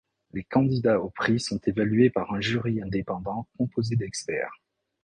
Les candidats au prix sont évalués par un jury indépendant composé d’experts.